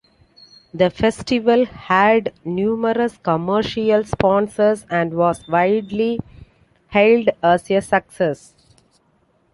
The festival had numerous commercial sponsors and was widely hailed as a success.